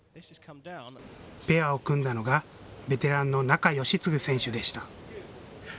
ペアを組んだのがベテランの仲喜嗣選手でした。